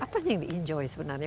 apa yang di enjoy sebenarnya